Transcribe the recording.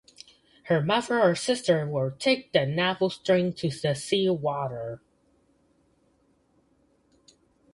Her mother or sister will take the navel-string to the seawater.